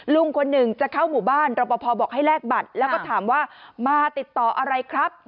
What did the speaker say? ลุงคนหนึ่งจะเข้าหมู่บ้านรปภบอกให้แลกบัตรแล้วก็ถามว่ามาติดต่ออะไรครับ